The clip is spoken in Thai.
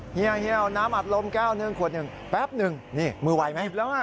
เฮียวน้ำอัดลมแก้ว๑ขวดนึงแป๊บนึงมือวัยไหม